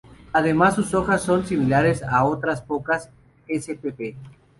Además sus hojas son similares a otras pocas spp.